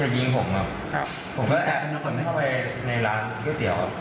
อย่ายิงผมผมก็แอบกันไม่เข้าไปในร้านข้าวเตี๋ยว